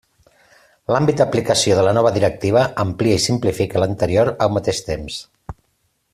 L'àmbit d'aplicació de la nova directiva amplia i simplifica l’anterior al mateix temps.